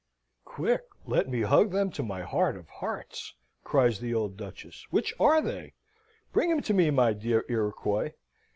"Quick, let me hug them to my heart of hearts!" cries the old Duchess. "Which are they? Bring 'em to me, my dear Iroquois!